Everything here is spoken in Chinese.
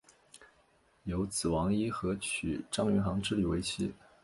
有子王尹和娶张云航之女为妻。